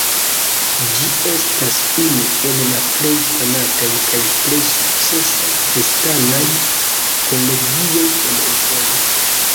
Ĝi estas unu el la plej konataj kaj plej sukcesaj kristanaj kolegioj en Usono.